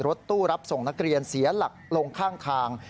รถตู้รับส่งนักเรียนเสียหลักลงข้างทาง